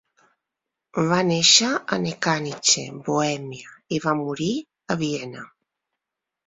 Va néixer a Nechanice, Bohèmia, i va morir a Viena.